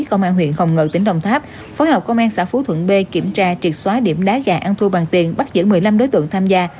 công an huyện hồng ngự tỉnh đồng tháp phối hợp công an xã phú thuận b kiểm tra triệt xóa điểm đá gà ăn thu bằng tiền bắt giữ một mươi năm đối tượng tham gia